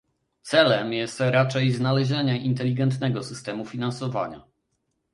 Celem jest raczej znalezienie inteligentnego systemu finansowania